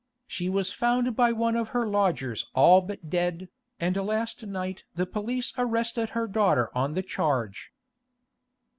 She was found by one of her lodgers all but dead, and last night the police arrested her daughter on the charge.